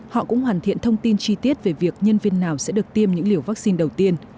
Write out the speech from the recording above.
họ cũng hoàn thiện thông tin chi tiết về việc nhân viên nào sẽ được tiêm những liều vaccine đầu tiên